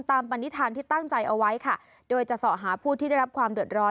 ปณิธานที่ตั้งใจเอาไว้ค่ะโดยจะสอหาผู้ที่ได้รับความเดือดร้อน